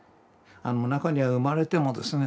中には生まれてもですね